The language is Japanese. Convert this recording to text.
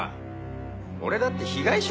俺だって被害者だろ。